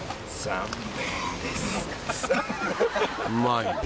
［うまい。